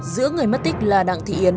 giữa người mất tích là đặng thị yến